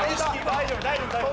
大丈夫大丈夫大丈夫！」